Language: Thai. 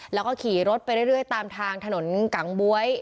แล้วก็ขี่รถไปเรื่อยตามทางถนนกังบ๊วย